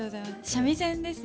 三味線です。